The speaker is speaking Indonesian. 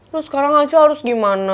terus sekarang aja harus gimana